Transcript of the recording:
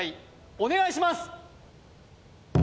お願いします